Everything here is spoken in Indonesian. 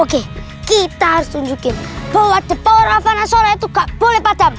oke kita harus tunjukin bahwa the power of anasoleh itu gak boleh padam